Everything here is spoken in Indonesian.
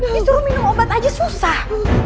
disuruh minum obat aja susah